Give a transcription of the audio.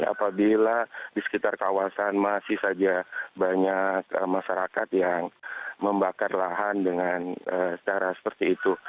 apabila di sekitar kawasan masih saja banyak masyarakat yang membakar lahan dengan cara seperti itu